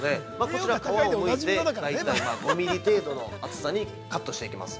こちら、皮をむいて、大体５ミリ程度の厚さにカットしていきます。